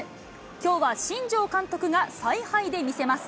きょうは新庄監督が采配で見せます。